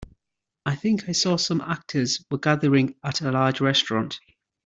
I think I saw some actors were gathering at a large restaurant.